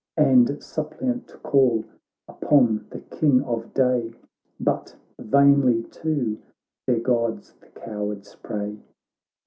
And suppliant call upon the King of day. But vainly to their Gods the cowards pray.